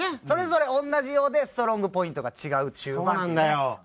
それぞれ同じようでストロングポイントが違う中盤っていうね。